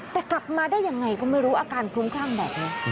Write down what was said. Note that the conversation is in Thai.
แต่กลับมาได้ยังไงก็ไม่รู้อาการคลุ้มคลั่งแบบนี้